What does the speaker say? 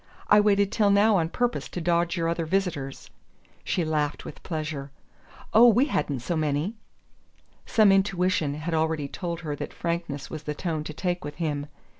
"I waited till now on purpose to dodge your other visitors." She laughed with pleasure. "Oh, we hadn't so many!" Some intuition had already told her that frankness was the tone to take with him.